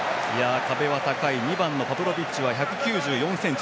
壁は高い２番のパブロビッチは１９４ｃｍ。